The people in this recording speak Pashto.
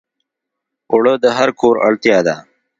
اوړه د هر کور اړتیا ده